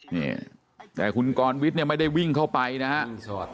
นี่แต่คุณกรวิทย์เนี่ยไม่ได้วิ่งเข้าไปนะฮะ